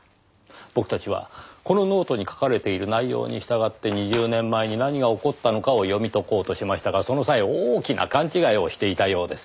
僕たちはこのノートに書かれている内容に従って２０年前に何が起こったのかを読み解こうとしましたがその際大きな勘違いをしていたようです。